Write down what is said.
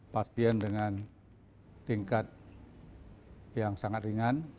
pasien dengan tingkat yang sangat ringan